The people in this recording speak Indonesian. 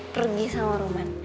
pergi sama roman